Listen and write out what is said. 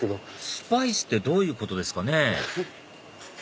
スパイスってどういうことですかね？